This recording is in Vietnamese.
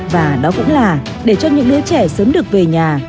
và đó cũng là để cho những đứa trẻ sớm được về nhà